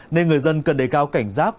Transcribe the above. nên người dân cần đề cao cảnh giác